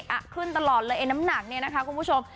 อ่ะขึ้นตลอดเลยไอ้น้ำหนักเนี่ยนะคะคุณผู้ชม